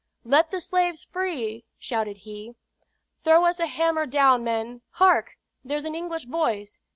"Let the slaves free!" shouted he. "Throw us a hammer down, men. Hark! there's an English voice!"